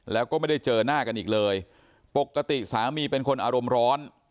แล้วก็ไม่ได้เจอหน้ากันอีกเลยปกติสามีเป็นคนอารมณ์ร้อน